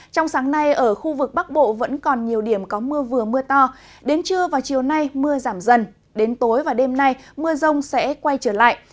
trong sáng nay ở khu vực bắc bộ vẫn còn nhiều điểm có mưa vừa mưa to đến trưa vào chiều nay mưa giảm dần đến tối và đêm nay mưa rông sẽ quay trở lại